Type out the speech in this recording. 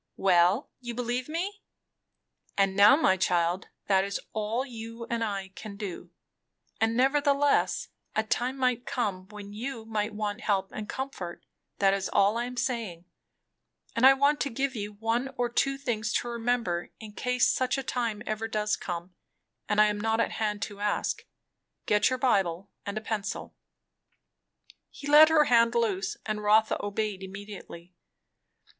"Well, you believe me? And now, my child, that is all you and I can do. And nevertheless, a time might come when you might want help and comfort, that is all I am saying; and I want to give you one or two things to remember in case such a time ever does come, and I am not at hand to ask. Get your Bible, and a pencil." He let her hand loose, and Rotha obeyed immediately.